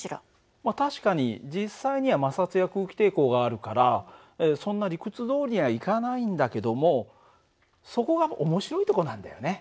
まあ確かに実際には摩擦や空気抵抗があるからそんな理屈どおりにはいかないんだけどもそこが面白いとこなんだよね。